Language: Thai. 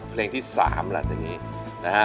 เพลงที่๓หลังจากนี้นะฮะ